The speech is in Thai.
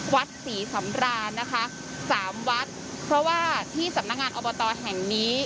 วัดศรีสำรานนะคะสามวัดเพราะว่าที่สำนักงานอบตแห่งนี้